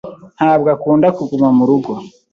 ntabwo akunda kuguma murugo.